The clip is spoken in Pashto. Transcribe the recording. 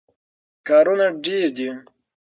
کارونه ډېر دي.